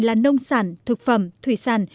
là nông sản thực phẩm thủy sản